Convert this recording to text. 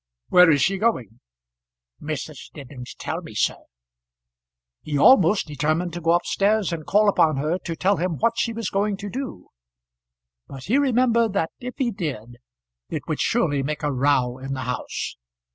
"Where is she going?" "Missus didn't tell me, sir." He almost determined to go up stairs and call upon her to tell him what she was going to do, but he remembered that if he did it would surely make a row in the house.